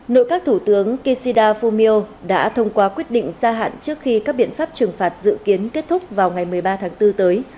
nội các thủ tướng kishida fumio đã thông qua quyết định gia hạn trước khi các biện pháp trừng phạt dự kiến kết thúc vào ngày một mươi ba tháng bốn tới